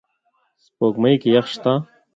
سپوږمۍ کې یخ شته